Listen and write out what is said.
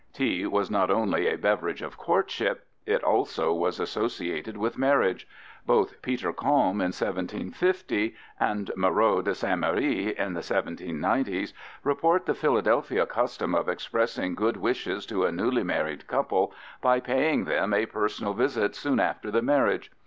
Tea was not only a beverage of courtship; it also was associated with marriage. Both Peter Kalm, in 1750, and Moreau de St. Méry, in the 1790's, report the Philadelphia custom of expressing good wishes to a newly married couple by paying them a personal visit soon after the marriage.